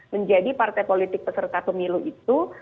menjadi partai politik peserta pemilu itu